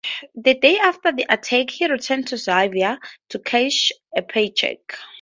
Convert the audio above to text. The day after the attack, he returned to Xavier to cash a paycheck.